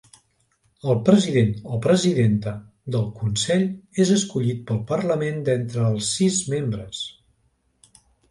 El president o presidenta del Consell és escollit pel Parlament d'entre els sis membres.